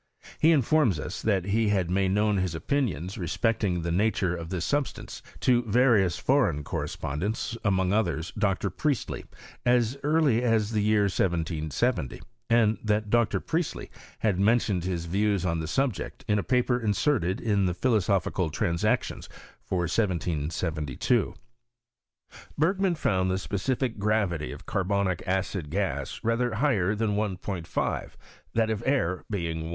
He informs us, thathe had made known his opinions respecting the naturs of this substance, to various foreign correspoadents, among others to Dr. Priestley, as early as the year 1770, and that Dr. Priestley had mentioned his views on the subject, in a paper inserted in the Pbi > losophical Transactions for 1772. Bergman found the specific gravity of carbonic acid gas rather high er than 1 5, that of air being 1.